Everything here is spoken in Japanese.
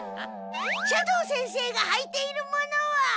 斜堂先生がはいているものは。